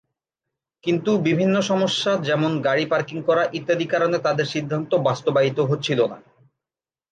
কিন্তু বিভিন্ন সমস্যা যেমন গাড়ি পার্কিং করা ইত্যাদি কারণে তাদের সিদ্ধান্ত বাস্তবায়িত হচ্ছিলো না।